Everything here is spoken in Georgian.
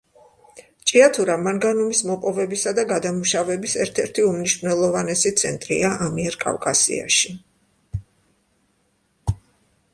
ჭიათურა მანგანუმის მოპოვებისა და გადამუშავების ერთ-ერთი უმნიშვნელოვანესი ცენტრია ამიერკავკასიაში.